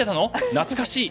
懐かしい！